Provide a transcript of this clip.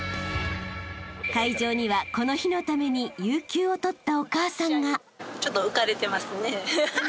［会場にはこの日のために有給をとったお母さんが］